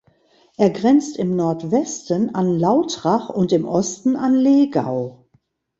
Er grenzt im Nordwesten an Lautrach und im Osten an Legau.